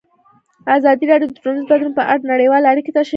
ازادي راډیو د ټولنیز بدلون په اړه نړیوالې اړیکې تشریح کړي.